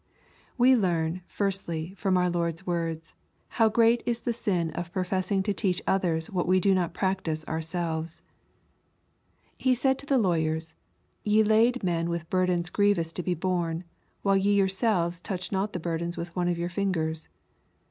We learn, firstly, from our Lord's words, how great is the sin of professing to teach others what we donot practise ourselves. He says to the lawyers, " Ye lade men with burdens grievous to be borne, while ye yourselves touch not the burdens with one of your fingers."